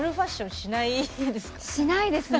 しないですね。